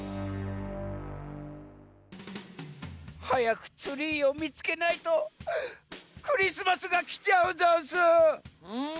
はやくツリーをみつけないとクリスマスがきちゃうざんす！